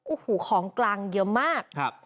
โอ้โหของกลางเยอะมาก